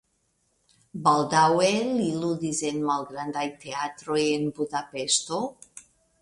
Baldaŭe li ludis en malgrandfaj teatroj en Budapeŝto.